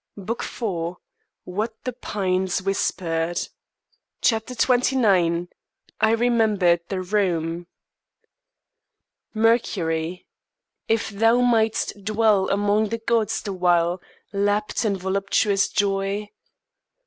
BOOK FOUR WHAT THE PINES WHISPERED XXIX "I REMEMBERED THE ROOM" MERCURY. If thou mightst dwell among the Gods the while Lapped in voluptuous joy?